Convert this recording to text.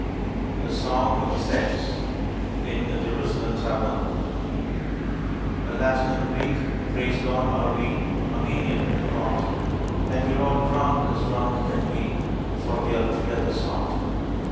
A SONG OF THE SECTS (In a Jerusalem tavern) A Latin and Greek, praise God, are we, Armenian and Copt, And we're all drunk as drunk can be, for we've together sopped.